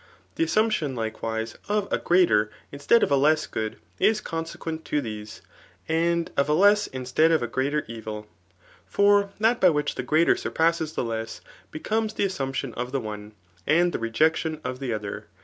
The assumption, likewise, ef a greater instead of a less good, [is consequent to these,'] and of a less instead of a greater evil. For that by which the greater surpasses the less, becomes the as sumption of the one, and the rejection of the other.